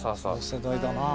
世代だなぁ。